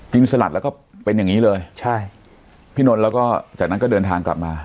สลัดแล้วก็เป็นอย่างงี้เลยใช่พี่นนท์แล้วก็จากนั้นก็เดินทางกลับมา